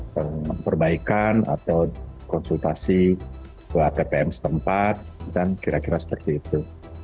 jadi perbaikan atau konsultasi ke ppm setempat dan kira kira seperti itu